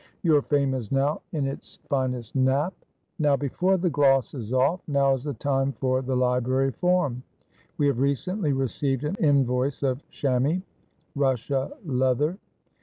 Your fame is now in its finest nap. Now before the gloss is off now is the time for the library form. We have recently received an invoice of Chamois Russia leather.